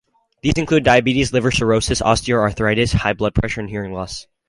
These included diabetes, liver cirrhosis, osteoarthritis, high blood pressure, and hearing loss.